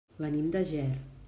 Venim de Ger.